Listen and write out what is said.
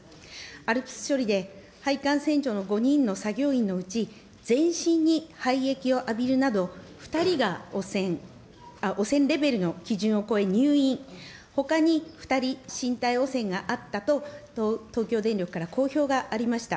ＡＬＰＳ処理で配管洗浄の５人の作業員のうち、全身に廃液を浴びるなど、２人が汚染、汚染レベルの基準を超え入院、ほかに２人、身体汚染があったと東京電力から公表がありました。